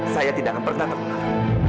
saya tidak akan bertatung dengan kamu